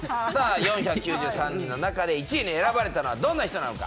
４９３人の中で１位に選ばれたのはどんな人なのか。